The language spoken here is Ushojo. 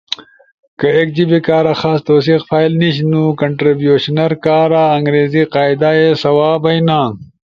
کہ ایک جیبے کارا خاص توثیق فائل نیِش، نو کنٹربیوشنرز کارا انگریزی قاعدا ئے سواں بئینا۔